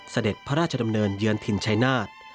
เสด็จพระราชดำเนินเยือนถิ่นชายนาฏ